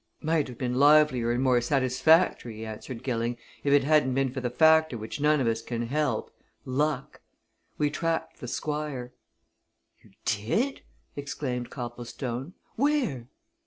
"Might have been livelier and more satisfactory," answered Gilling, "if it hadn't been for the factor which none of us can help luck! We tracked the Squire." "You did?" exclaimed Copplestone. "Where?"